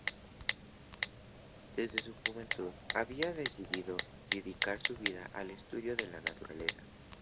Desde su juventud había decidido dedicar su vida al estudio de la naturaleza.